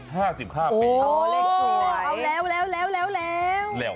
มีนักก่อใหม่เลย